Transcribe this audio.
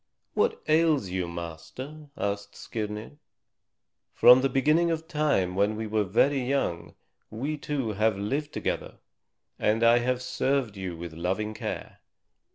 "What ails you, master?" asked Skirnir. "From the beginning of time when we were very young we two have lived together, and I have served you with loving care.